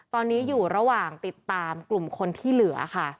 ตอนนี้อยู่ระหว่างติดตามกลุ่มคนที่เหลือค่ะ